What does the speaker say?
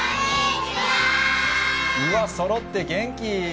うわっ、そろって元気。